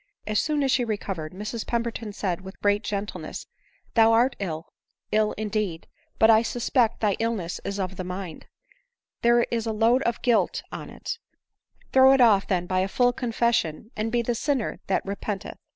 As soon as she recovered, Mrs Pemberton said, with great gentleness, " Thou art ill — ill indeed, but, as I suspected, thy illness is of the mind ; there is a load of guilt on it ; throw it off then by a full confession, and be the sinner that repenteth."